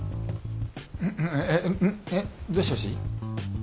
どうしてほしい？